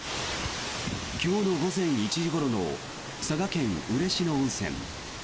今日の午前１時ごろの佐賀県・嬉野温泉。